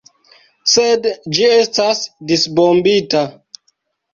Sed ĝi estas disbombita!